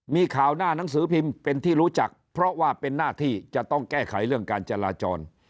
มีข่าวหน้าหนังสือพิมพ์เป็นที่รู้จักเพราะว่าเป็นหน้าที่จะต้องแก้ไขเรื่องการจราจร